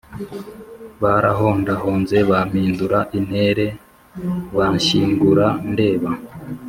Barahondahonze Bampindura intere Banshyingura ndeba